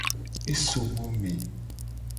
E so mo me.